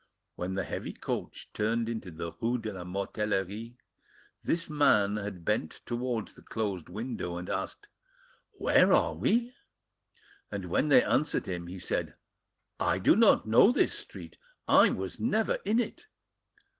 When the heavy coach turned into the rue de la Mortellerie, this man had bent towards the closed window and asked— "Where are we?" And when they answered him, he said— "I do not know this street; I was never in it."